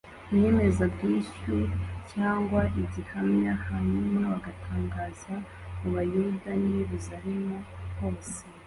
inyemezabwishyu cyangwa gihamya hanyuma batangaza mu buyuda n i yerusalemu hose